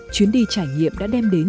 chuyến đi trải nghiệm đã đem đến